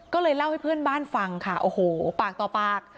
ก็เลยเล่าให้เพื่อนบ้านฟังค่ะโอ้โหปากต่อปาก